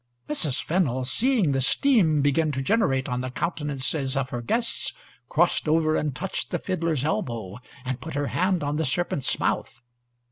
Mrs. Fennel, seeing the steam begin to generate on the countenances of her guests, crossed over and touched the fiddler's elbow and put her hand on the serpent's mouth.